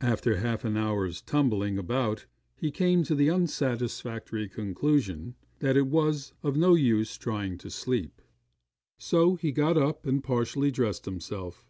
After half an hour's tumbling about, he came to the unsatisfactory conclusion, that it was of no use trying to sleep; so he got up and partially dressed himself.